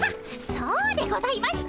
そうでございました。